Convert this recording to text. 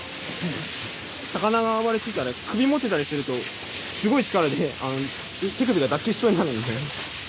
魚が暴れてたら首持ってたりするとすごい力で手首が脱臼しそうになるんで。